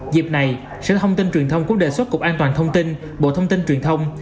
dịp này sở thông tin truyền thông cũng đề xuất cục an toàn thông tin bộ thông tin truyền thông